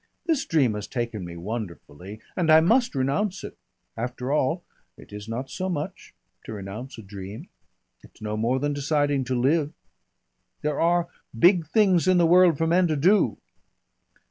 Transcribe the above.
This dream has taken me wonderfully. And I must renounce it. After all it is not so much to renounce a dream. It's no more than deciding to live. There are big things in the world for men to do."